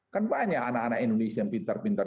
kan banyak anak anak indonesia yang pintar pintar